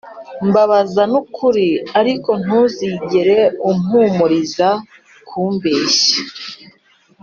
mbabaza n'ukuri ariko ntuzigere umpumuriza kubeshya.